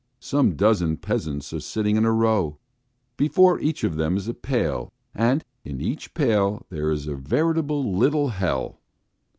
Some dozen peasants are sitting in a row. Before each of them is a pail, and in each pail there is a veritable little hell.